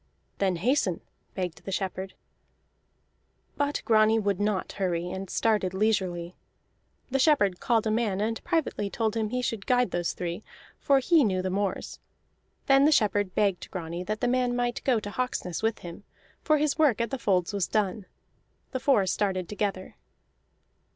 "Then hasten," begged the shepherd. But Grani would not hurry, and started leisurely. The shepherd called a man, and privately told him he should guide those three, for he knew the moors. Then the shepherd begged Grani that the man might go to Hawksness with him, for his work at the folds was done. The four started together.